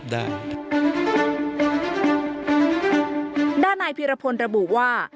ด้านนัยพิรพนธรรมระบุว่า